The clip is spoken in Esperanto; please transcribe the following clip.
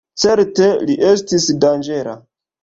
Certe, li estis danĝera.